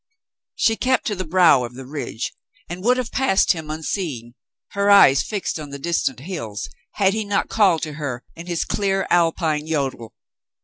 She kept to the brow of the ridge and would have passed him unseeing, her eyes fixed on the distant hills, had he not called to her in his clear Alpine jodel.